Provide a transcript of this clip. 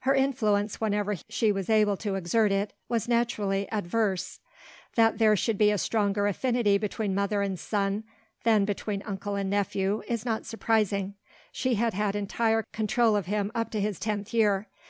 Her influence whenever she was able to exert it was naturally adverse. That there should be a stronger affinity between mother and son, than between uncle and nephew is not surprising. She had had entire control of him up to his tenth year.